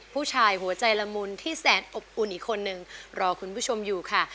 หัวใจหัวใจละมุนที่แสนอบอุ่นอีกคนนึงรอคุณผู้ชมอยู่ค่ะ